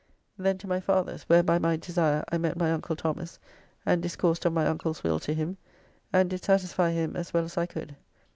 Then to my father's, where by my desire I met my uncle Thomas, and discoursed of my uncle's will to him, and did satisfy [him] as well as I could.